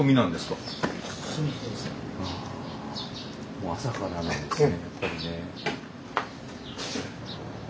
もう朝からなんですねやっぱりね。